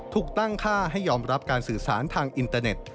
ถูกตั้งค่าให้ยอมรับการสื่อสารทางอินเตอร์เน็ต